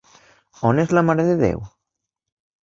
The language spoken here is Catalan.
On és la Mare de Déu?